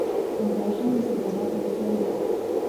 همدا شان د سید آباد ولسوالۍ ته